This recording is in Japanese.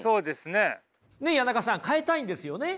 ねっ谷中さん変えたいんですよね？